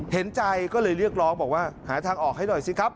เห็นใจก็เลยเรียกร้องบอกว่าหาทางออกให้หน่อยสิครับ